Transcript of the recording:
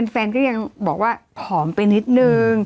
ก็ยังบอกว่าผอมไปนิดนึง